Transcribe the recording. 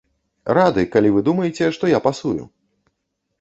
Рады, калі вы думаеце, што я пасую!